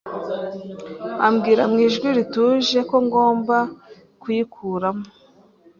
ambwira mu ijwi rituje ko ngomba kuyikuramo.